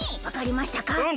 わかりましたか？